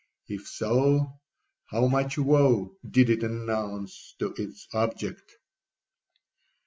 If so, how much woe did it announce to its object!'